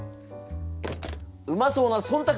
うまそうな「忖度」